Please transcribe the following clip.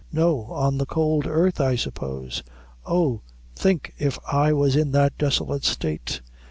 no on the cold earth I suppose! Oh! think if I was in that desolate state.